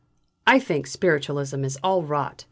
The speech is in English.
"I think Spiritualism is all rot!"